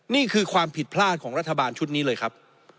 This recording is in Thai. นี่คือความผิดพลาดของรัฐบาลชุดนี้เลยครับ